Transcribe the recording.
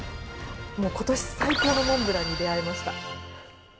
今年最高のモンブランに出会えました。